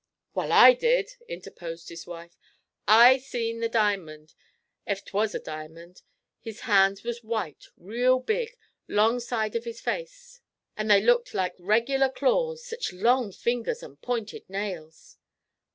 'Wal, I did!' interposed his wife. 'I seen the di'mond, ef 'twas a di'mond. His hands was white real white, 'long side of his face, and they looked like reg'lar claws; sech long fingers and pointed nails.'